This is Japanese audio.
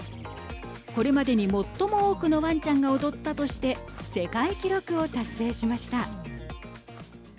これまでに最も多くのわんちゃんが踊ったとして世界記録を達成しました。